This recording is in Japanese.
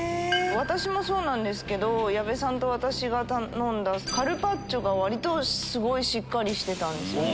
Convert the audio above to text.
私もそうなんですけど矢部さんと私が頼んだカルパッチョが割としっかりしてたんですよね。